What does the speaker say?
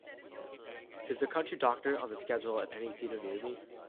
Is The Country Doctor on the schedule at any theater near me?